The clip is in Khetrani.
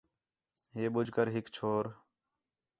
ہے ٻُجھ کر ہِک چھور